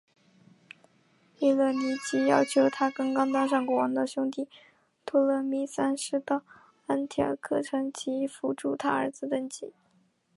贝勒尼基要求她刚刚当上国王的兄弟托勒密三世到安条克城及扶助她儿子登基。